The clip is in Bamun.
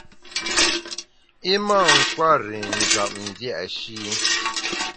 I mâ nkwer i njap dia’shi.